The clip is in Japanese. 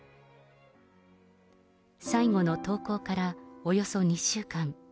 最後の投稿からおよそ２週間。